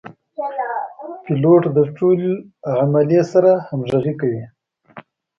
پیلوټ د ټول عملې سره همغږي کوي.